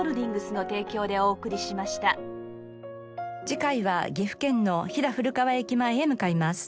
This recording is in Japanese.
次回は岐阜県の飛騨古川駅前へ向かいます。